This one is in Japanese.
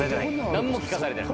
なんも聞かされてない